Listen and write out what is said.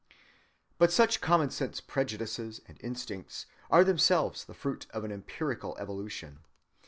But such common‐sense prejudices and instincts are themselves the fruit of an empirical evolution.